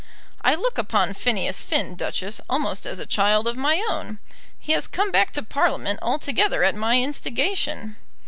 "I look upon Phineas Finn, Duchess, almost as a child of my own. He has come back to Parliament altogether at my instigation."